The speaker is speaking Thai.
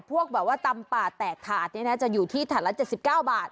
พวกแบบว่าตำป่าแตกถาดนี่นะจะอยู่ที่ถาดละเจ็ดสิบเก้าบาท